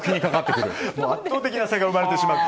圧倒的な差が生まれてしまった。